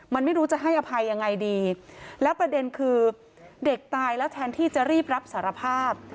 มันไม่รู้จะให้อภัยยังไงดีแล้วประเด็นคือเด็กตายแล้วแทนที่จะรีบรับสารภาพ